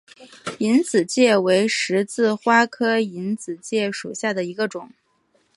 隐子芥为十字花科隐子芥属下的一个种。